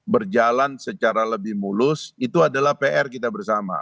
berjalan secara lebih mulus itu adalah pr kita bersama